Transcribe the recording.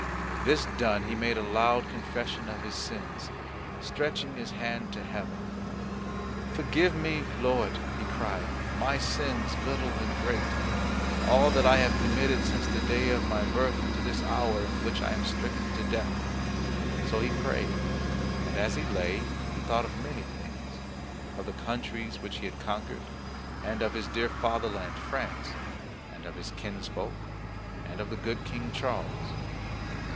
This done he made a loud confession of his sins, stretching his hand to heaven. "Forgive me, Lord," he cried, "my sins, little and great, all that I have committed since the day of my birth to this hour in which I am stricken to death." So he prayed; and, as he lay, he thought of many things, of the countries which he had conquered, and of his dear Fatherland France, and of his kinsfolk, and of the good King Charles.